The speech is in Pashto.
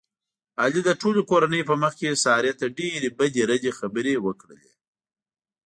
علي د ټولې کورنۍ په مخ کې سارې ته ډېرې بدې ردې خبرې وکړلې.